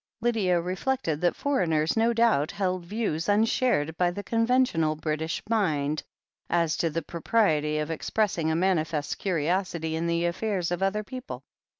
Lydia reflected that foreigners no doubt held views unshared by the conventional British mind, as to the propriety of expressing a manifest curiosity in the aflfairs of other people.